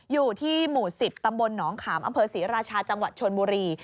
อยู่ที่หมู่๑๐ตำบลหนองขามอำเภอศรีราชาจังหวัดชนบุรี